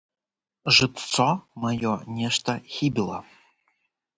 Жытцо маё нешта хібіла.